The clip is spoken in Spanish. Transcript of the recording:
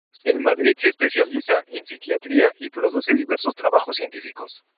En Madrid se especializa en psiquiatría y produce diversos trabajos científicos.